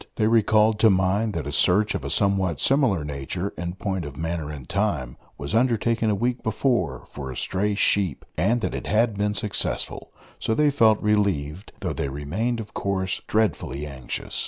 They recalled to mind that a search of a somewhat similar nature, in point of manner and time, was undertaken a week before for a stray sheep, and that it had been successful; so they felt relieved, though they remained, of course, dreadfully anxious.